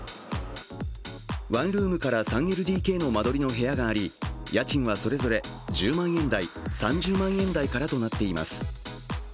ワンルームから３ＬＤＫの間取りの部屋があり家賃はそれぞれ１０万円台、３０万円台となっています。